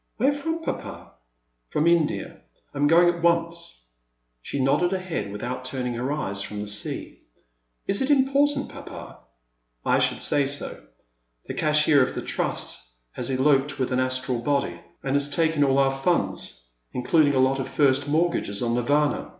Where fi"om. Papa ?" From India. I 'm going at once." She nodded her head, without turning her eyes from the sea. Is it important, papa ?"I should say so. The cashier of the Trust has eloped with an Astral body, and has taken all our fiinds, including a lot of first mortgages on Nirvana.